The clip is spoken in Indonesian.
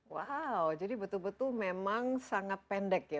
wow jadi betul betul memang sangat pendek ya